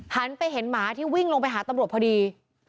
หันไปเห็นหมาที่วิ่งลงไปหาตำรวจพอดี